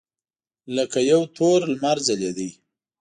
لکه یو تور لمر ځلېده.